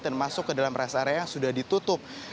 dan masuk ke dalam res area yang sudah ditutup